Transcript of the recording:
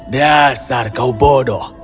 dasar kau bodoh